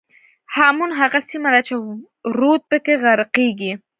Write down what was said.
هامون هغه سیمه ده چې رود پکې غرقېږي.